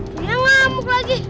tidak ngamuk lagi